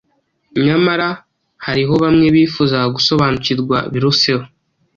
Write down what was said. Nyamara hariho bamwe bifuzaga gusobanukirwa biruseho.